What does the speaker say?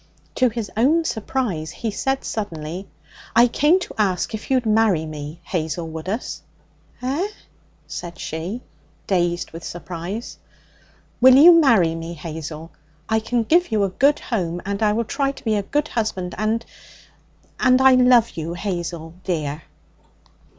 To his own surprise, he said suddenly: 'I came to ask if you'd marry me, Hazel Woodus?' 'Eh?' said she, dazed with surprise. 'Will you marry me, Hazel? I can give you a good home, and I will try to be a good husband, and and I love you, Hazel, dear.'